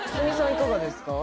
いかがですか？